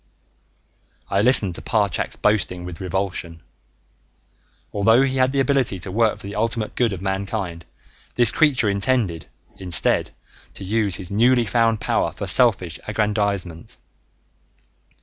I listened to Parchak's boasting with revulsion. Although he had the ability to work for the ultimate good of mankind, this creature intended, instead, to use his newly found power for selfish aggrandizement.